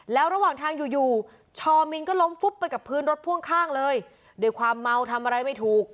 แล้วระหว่างทางอยู่อยู่ชอมินก็ล้มฟุบไปกับพื้นรถพ่วงข้างเลยด้วยความเมาทำอะไรไม่ถูก